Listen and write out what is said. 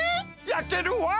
やけるわ。